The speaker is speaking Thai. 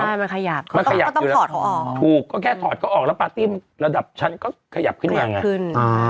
ใช่มันขยับมันขยับอยู่แล้วอืมอืมถูกก็แค่ถอดก็ออกแล้วปาร์ตี้ละดับชั้นขยับขึ้นให้วาง่ะขยับขึ้น